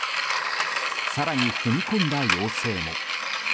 更に踏み込んだ要請も。